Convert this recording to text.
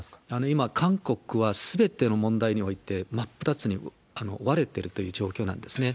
今、韓国はすべての問題において、真っ二つに割れてるという状況なんですね。